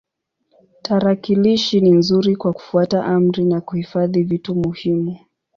Tarakilishi ni nzuri kwa kufuata amri na kuhifadhi vitu muhimu.